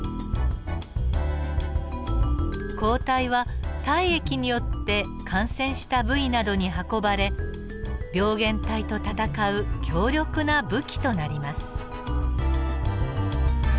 抗体は体液によって感染した部位などに運ばれ病原体と戦う強力な武器となります。